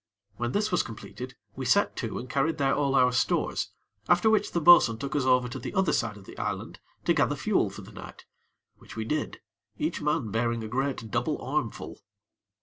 When this was completed, we set to and carried there all our stores, after which the bo'sun took us over to the other side of the island to gather fuel for the night, which we did, each man bearing a great double armful.